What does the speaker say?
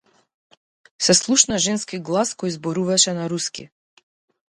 Се слушна женски глас кој зборуваше на руски.